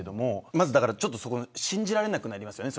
まず信じられなくなりますよね。